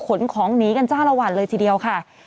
ขนของหนีกันจ้าละวันเลยทีเดียวค่ะ